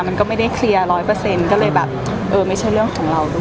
มันก็ไม่ได้เคลียร์๑๐๐ก็เลยบอกเออไม่ใช่เรื่องของเราด้วย